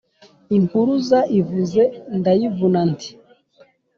Impuruza ivuze ndayivuna, nti: